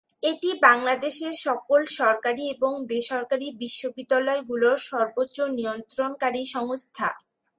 এটি বাংলাদেশের সকল সরকারি এবং বেসরকারি বিশ্ববিদ্যালয়গুলোর সর্বোচ্চ নিয়ন্ত্রণকারী সংস্থা।